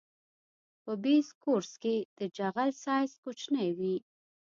په بیس کورس کې د جغل سایز کوچنی وي